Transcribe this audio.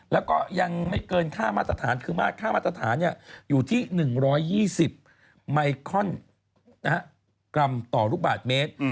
แล้วก็ยังไม่เกินค่ามาตรฐานคือค่ามาตรฐานอยู่ที่๑๒๐ไมคอนกรัมต่อลูกบาทเมตร